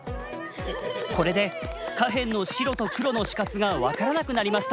これで下辺の白と黒の死活が分からなくなりました。